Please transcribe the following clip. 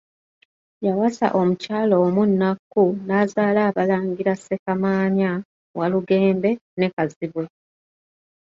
Yawasa omukyala omu Nnakku n'azaala abalangira Ssekamaanya, Walugembe ne Kazibwe.